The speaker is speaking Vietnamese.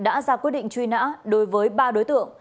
đã ra quyết định truy nã đối với ba đối tượng